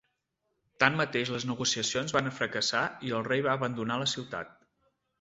Tanmateix les negociacions van fracassar i el rei va abandonar la ciutat.